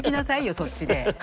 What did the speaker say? そっちで。